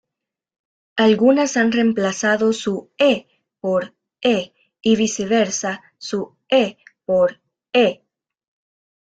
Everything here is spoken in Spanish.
Algunas han remplazado su ‘ё’ por ‘е’, y viceversa, su ‘е’ por ‘ё’.